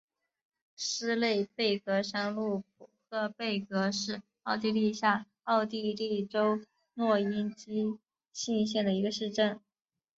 施内贝格山麓普赫贝格是奥地利下奥地利州诺因基兴县的一个市镇。